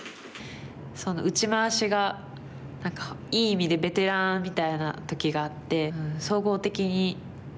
打ち回しが何かいい意味でベテランみたいな時があって。